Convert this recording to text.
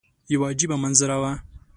یوه عجیبه منظره وه.